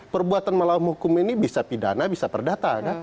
perbuatan melawan hukum ini bisa pidana bisa perdata